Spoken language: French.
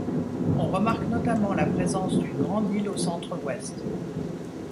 On remarque notamment la présence d'une grande île au centre-ouest.